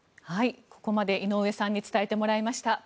ここまで井上さんに伝えてもらいました。